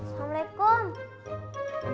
cheers itu kadahlah